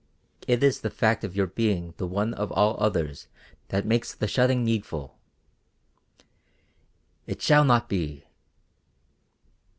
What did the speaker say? "It is the fact of your being the one of all others that makes the shutting needful." "It shall not be."